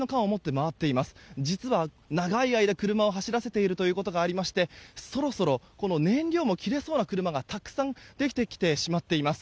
実は、長い間車を走らせているということがありましてそろそろ燃料も切れそうな車がたくさん出てきてしまっています。